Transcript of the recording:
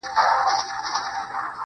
د زړه له درده دا نارۍ نه وهم_